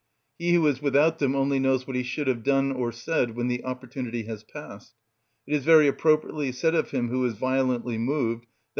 He who is without them only knows what he should have done or said when the opportunity has passed. It is very appropriately said of him who is violently moved, _i.